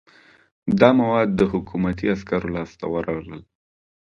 دا مواد د حکومتي عسکرو لاس ته ورغلل.